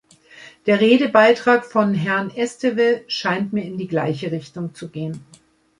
Der Redebeitrag von Herrn Esteve scheint mir in die gleiche Richtung zu gehen.